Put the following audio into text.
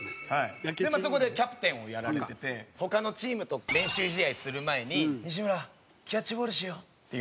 そこでキャプテンをやられてて他のチームと練習試合する前に「西村キャッチボールしよう」って言うんですよ。